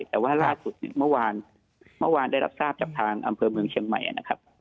แต่ว่าล่าสุดเนี่ยเมื่อวานเมื่อวานได้รับทราบจากทางอำเภอเมืองเชียงใหม่นะครับ